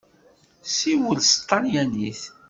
Ssiwel s tṭalyanit!